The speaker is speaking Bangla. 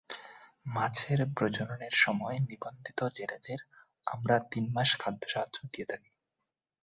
মাছের প্রজননের সময় নিবন্ধিত জেলেদের আমরা তিন মাস খাদ্য সাহায্য দিয়ে থাকি।